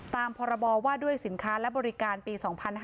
พรบว่าด้วยสินค้าและบริการปี๒๕๕๙